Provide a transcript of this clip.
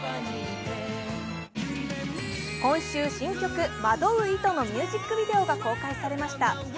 今週、新曲「惑う糸」のミュージックビデオが公開されました。